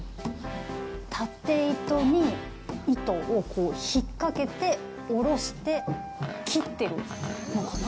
縦糸に糸をこう引っかけて、下ろして切ってるのかな？